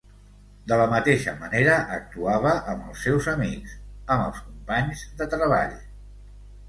De la mateixa manera actuava amb els seus amics, amb els companys de treball.